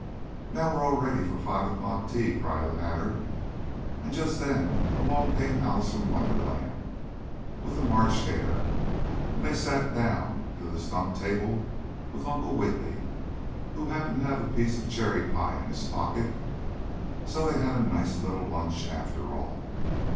"Now we're all ready for 5 o'clock tea!" cried the Hatter, and just then along came Alice from Wonderland, with the March Hare, and they sat down to the stump table with Uncle Wiggily, who happened to have a piece of cherry pie in his pocket, so they had a nice little lunch after all.